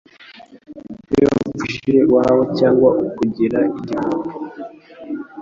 Iyo upfushije uwawe cyangwa ukugira igihombo